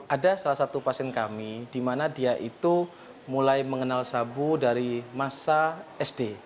ada salah satu pasien kami di mana dia itu mulai mengenal sabu dari masa sd